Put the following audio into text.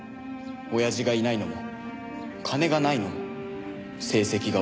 親父がいないのも金がないのも成績が悪いのも。